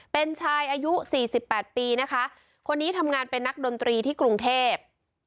เป็นชาย๔๘ปีคนที่ทำงานเป็นนักดนตรีที่กรุงเทพฯ